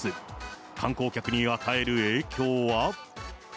観光客に与える影響は。